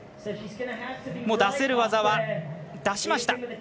出せる技は出しました。